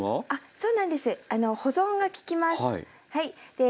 そうなんです